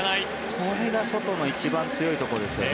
これがソトの一番強いとこですよね。